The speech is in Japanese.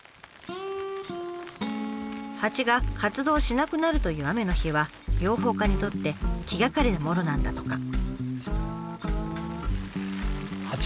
蜂が活動しなくなるという雨の日は養蜂家にとって気がかりなものなんだとか。